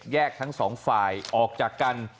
ทั้งสองฝ่ายออกจากกัน